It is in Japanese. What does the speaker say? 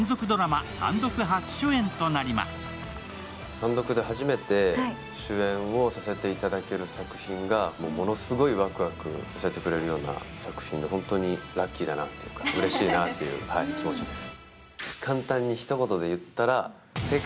単独で初めて主演をさせていただける作品がものすごくワクワクさせてくれるような作品で、本当にラッキーだなうれしいなという気持ちです。